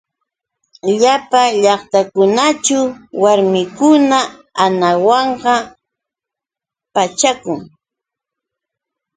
Llapa llaqtakunaćhu warmikuna anakuwan pachakun.